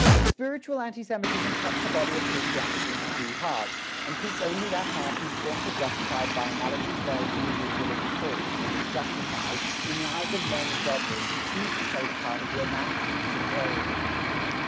Spiritual anti Semitism cuts the body of Christianity into two halves, and keeps only that half whose forms are justified by analogies borrowed from the Greek religious thought, justified, in the eyes of learned dodgers who choose to play the part of Romanticists of Aryanism.